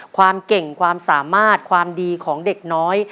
ความเก่งความสามารถความดีของเด็กน้อย